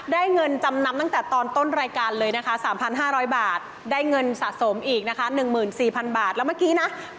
เก้าอี้เม้ยสักนี้